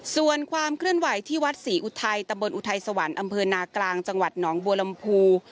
ส่วนความเคลื่อนไหวที่วัดศรีอุทัยตะบนอุทัยสวรรค์อำเภอนากลางจังหวัดหนองบัวลำพู